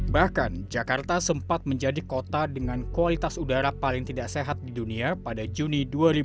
bahkan jakarta sempat menjadi kota dengan kualitas udara paling tidak sehat di dunia pada juni dua ribu dua puluh